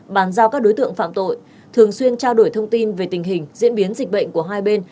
bàn giao các đối tượng phạm tội thường xuyên trao đổi thông tin về tình hình diễn biến dịch bệnh của hai bên